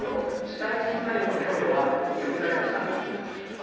対地ミサイルの供与は見送られました。